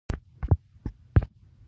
افغانانو ته خپل دین او خاوره ډیر ارزښت لري